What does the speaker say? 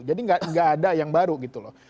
jadi enggak ada yang baru gitu loh